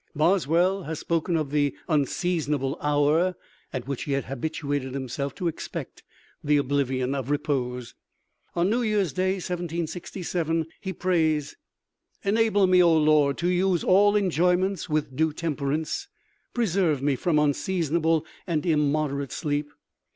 Boswell has spoken of "the unseasonable hour at which he had habituated himself to expect the oblivion of repose." On New Year's Day, 1767, he prays: "Enable me, O Lord, to use all enjoyments with due temperance, preserve me from unseasonable and immoderate sleep."